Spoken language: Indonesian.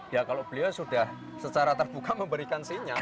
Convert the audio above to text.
ya kalau beliau sudah secara terbuka memberikan sinyal